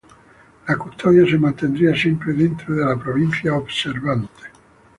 La custodia se mantendría siempre dentro de la provincia observante.